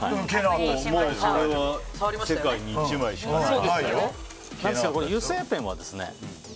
もうそれは世界に１枚しかない。